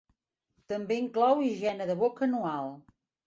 També inclou higiene de boca anual.